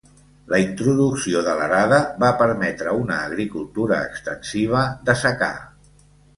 La introducció de l'arada va permetre una agricultura extensiva de secà.